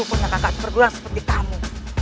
karena kakak bergurau seperti kamu